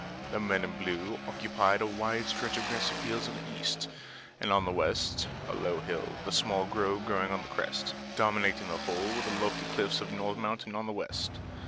The men in blue occupied a wide stretch of grassy fields on the east, and on the west a low hill, with a small grove growing on the crest. Dominating the whole were the lofty cliffs of North Mountain on the west.